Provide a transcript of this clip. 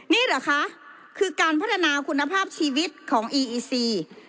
นี่เหรอคะคือการพัฒนาคุณภาพชีวิตของอีอีซี